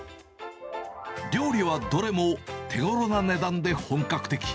料理はどれも手ごろな値段で本格的。